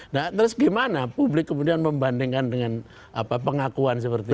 nah terus gimana publik kemudian membandingkan dengan pengakuan seperti itu